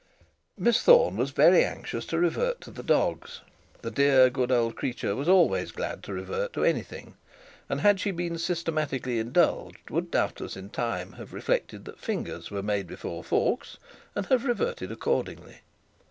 Miss Thorne was very anxious to revert to the dogs. The dear good old creature was always to revert to anything, and had she been systematically indulged, would doubtless in time have reflected that fingers were made before forks, and have reverted accordingly.